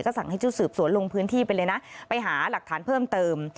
สั่งให้ชุดสืบสวนลงพื้นที่ไปเลยนะไปหาหลักฐานเพิ่มเติม